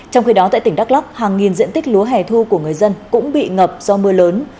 trong khi đó tại tỉnh đắk lắk hàng nghìn diện tích lúa hẻ thu của người dân cũng bị ngập do mưa lớn